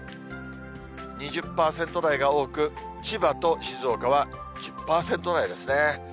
２０％台が多く、千葉と静岡は１０％台ですね。